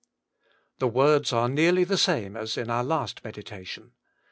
THE words are nearly the same as in our last meditation.